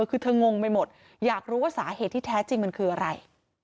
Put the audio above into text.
คือเธองงไปหมดอยากรู้ว่าสาเหตุที่แท้จริงมันคืออะไร